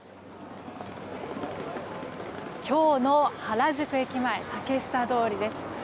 今日の原宿駅前竹下通りです。